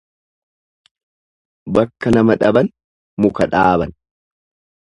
Bakka nama dhaban muka dhaaban.